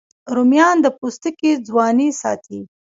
رومیان د پوستکي ځواني ساتي